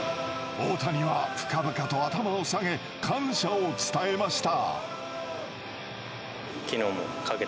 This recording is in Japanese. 大谷は深々と頭を下げ感謝を伝えました。